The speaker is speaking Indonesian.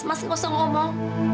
masih gak usah ngomong